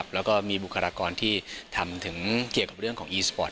แล้วก็มีบุคลากรที่ทำถึงเกี่ยวกับเรื่องของอีสปอร์ต